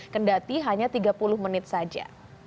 kendati hanya tiga puluh menit saja